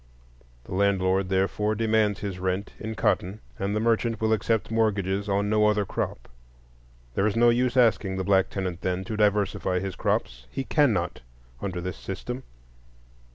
The landlord therefore demands his rent in cotton, and the merchant will accept mortgages on no other crop. There is no use asking the black tenant, then, to diversify his crops,—he cannot under this system.